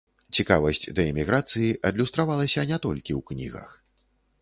Цікавасць да эміграцыі адлюстравалася не толькі ў кнігах.